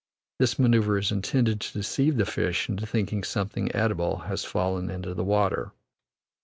This manoeuvre is intended to deceive the fish into thinking something eatable has fallen into the water.